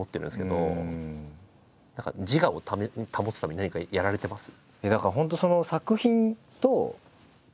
何か自我を保つために何かやられてます？